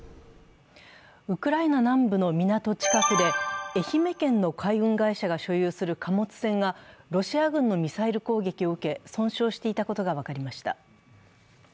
ウクライナ南部の港近くで、愛媛県の海運会社が所有する貨物船がロシア軍のミサイル攻撃を受け損傷していたことが分かりました。